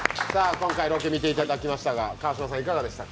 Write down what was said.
今回ロケ見ていただきましたがいかがでしたか？